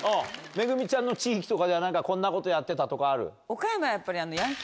ＭＥＧＵＭＩちゃんの地域とかではこんなことやってたとかある？